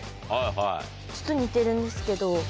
ちょっと似てるんですけど。